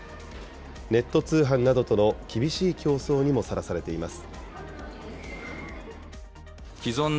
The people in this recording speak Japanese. ネット通販などとの厳しい競争にもさらされています。